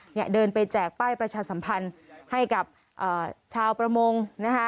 เนี่ยเดินไปแจกป้ายประชาสัมพันธ์ให้กับเอ่อชาวประมงนะคะ